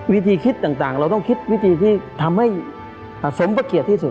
วิธีคิดต่างเราต้องคิดวิธีที่ทำให้สมประเกียรติที่สุด